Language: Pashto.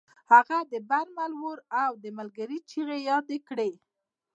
هغه د برنر اور او د ملګري چیغې یادې کړې